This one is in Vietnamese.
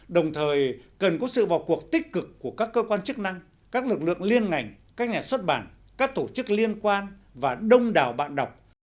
đồng thời cần có sự vào cuộc tích cực của các cơ quan chức năng các lực lượng liên ngành các nhà xuất bản các tổ chức liên quan và đông đảo bạn đọc